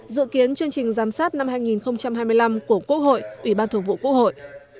dự kiến chương trình giám sát năm hai nghìn hai mươi năm của quốc hội ủy ban thường vụ quốc hội